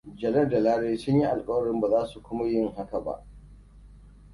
Jalal da Lare sun yi alkawarin ba za su kuma yin haka ba.